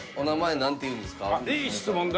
いい質問だ。